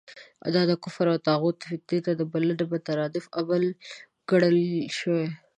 دا د کفر او طاغوت فتنې ته د بلنې مترادف عمل ګڼل شوی.